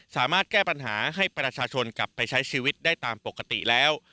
สามารถแก้ปัญหาให้ประชาชนกลับไปใช้ชีวิตได้ตามปกติแล้ว